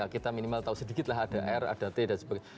kita minimal tahu sedikit lah ada r ada t dan sebagainya